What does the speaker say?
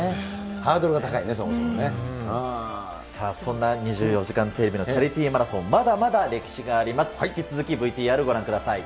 ハードルが高いさあ、そんな２４時間テレビのチャリティーマラソン、まだまだ歴史があります。